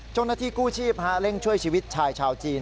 เจ้าหน้าที่กู้ชีพเร่งช่วยชีวิตชายชาวจีน